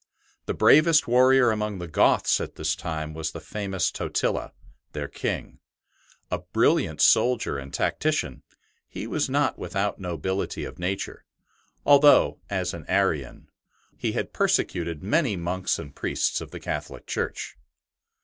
The bravest warrior among the Goths at this time was the famous Totila, their King. A brilliant soldier and tactician, he was not without nobility of nature, although as an Arian he had persecuted many monks and priests of the Catholic Church.